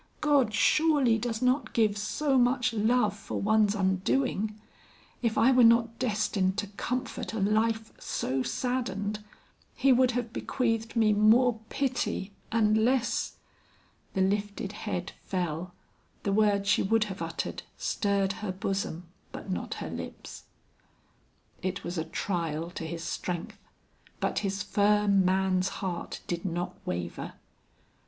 "God surely does not give so much love for one's undoing; if I were not destined to comfort a life so saddened, He would have bequeathed me more pity and less " The lifted head fell, the word she would have uttered, stirred her bosom, but not her lips. It was a trial to his strength, but his firm man's heart did not waver.